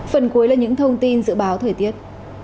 phần cuối là những thông tin dự báo thời tiết